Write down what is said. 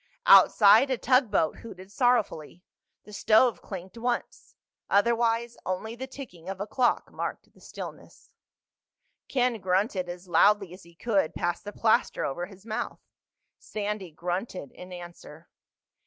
Outside a tugboat hooted sorrowfully. The stove clinked once. Otherwise only the ticking of a clock marked the stillness. Ken grunted as loudly as he could past the plaster over his mouth. Sandy grunted in answer.